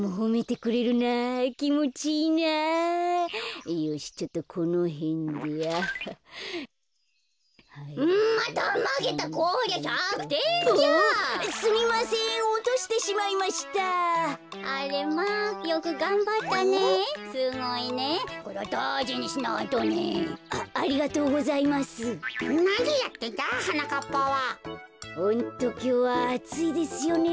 ホントきょうはあついですよね。